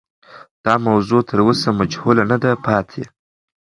دا موضوع تر اوسه مجهوله نه ده پاتې.